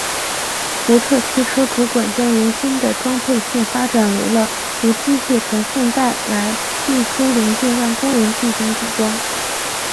福特汽车主管将原先的装配线发展成为了由机械传送带来运输零件让工人进行组装。